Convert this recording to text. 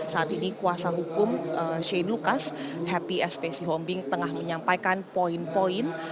saat ini kuasa hukum shane lucas happy sp sihombing tengah menyampaikan poin poin